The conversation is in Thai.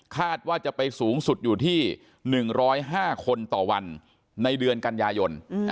คาดว่าจะไปสูงสุดอยู่ที่หนึ่งร้อยห้าคนต่อวันในเดือนกันยายนอืม